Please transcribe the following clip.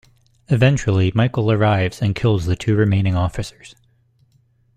Eventually, Michael arrives and kills the two remaining officers.